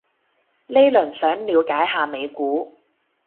呢輪想了解下美股